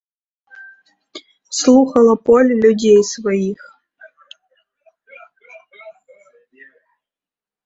Слухала поле людзей сваіх.